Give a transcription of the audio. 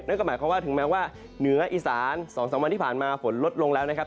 นั่นก็หมายความว่าถึงแม้ว่าเหนืออีสาน๒๓วันที่ผ่านมาฝนลดลงแล้วนะครับ